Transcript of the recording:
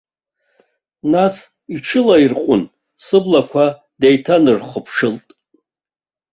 Нас иҽылаирҟәын сыблақәа деиҭанырхыԥшылт.